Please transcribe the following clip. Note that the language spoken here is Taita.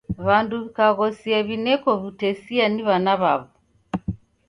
W'andu w'ikaghosia w'ineko w'utesia ni w'ana w'aw'o.